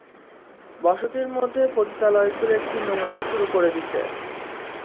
বসতির মধ্যে পতিতালয় খুলে কি নোংরামি শুরু করে দিছে!